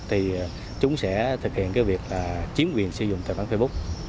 thì chúng sẽ thực hiện việc chiếm quyền sử dụng tài khoản facebook